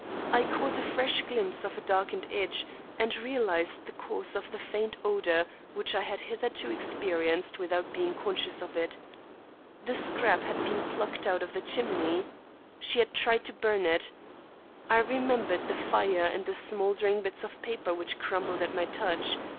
I caught a fresh glimpse of a darkened edge, and realised the cause of the faint odour which I had hitherto experienced without being conscious of it. The scrap had been plucked out of the chimney. She had tried to burn it. I remembered the fire and the smouldering bits of paper which crumbled at my touch.